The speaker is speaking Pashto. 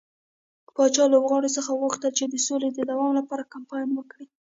پاچا لوبغاړو څخه وغوښتل چې د سولې د دوام لپاره کمپاين وکړي.